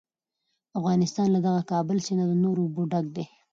افغانستان له دغه کابل سیند او نورو اوبو ډک دی.